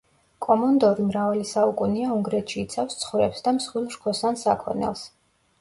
კომონდორი მრავალი საუკუნეა უნგრეთში იცავს ცხვრებს და მსხვილ რქოსან საქონელს.